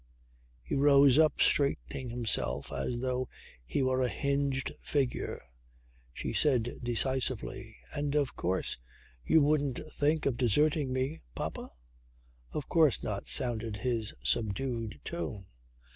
He rose up straightening himself as though he were a hinged figure. She said decisively: "And of course you wouldn't think of deserting me, papa?" "Of course not," sounded his subdued tone.